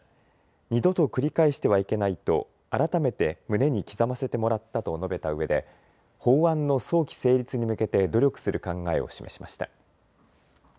二度と繰り返してはいけないと改めて胸に刻ませてもらったと述べたうえで法案の早期成立に向けて努力する考えを示しました。